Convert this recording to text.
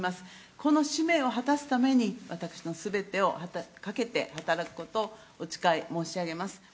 この使命を果たすために、私のすべてをかけて働くことをお誓い申し上げます。